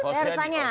saya harus tanya